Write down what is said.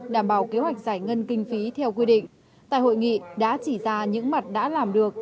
đảm bảo kế hoạch giải ngân kinh phí theo quy định tại hội nghị đã chỉ ra những mặt đã làm được